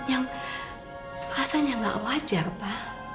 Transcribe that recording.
yang perasaan yang nggak wajar pa